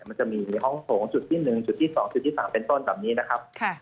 มันจะมีห้องโถงจุดที่๑จุดที่๒จุดที่๓เป็นต้นแบบนี้นะครับ